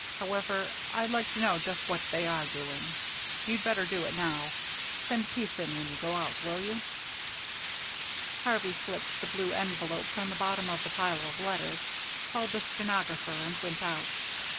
However, I'd like to know just what they are doing. You'd better do it now. Send Pease in when you go out, will you?" Harvey slipped the blue envelope from the bottom of the pile of letters, called the stenographer, and started out.